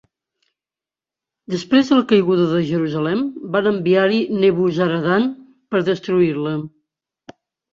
Després de la caiguda de Jerusalem, van enviar-hi Nebuzaradan per destruir-la.